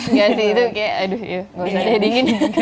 enggak sih itu kayak aduh ya gak usah deh dingin